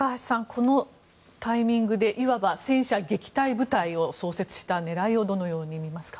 このタイミングでいわば戦車撃退部隊を創設した狙いをどのように見ますか。